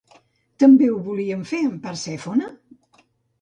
També ho volien fer amb Persèfone?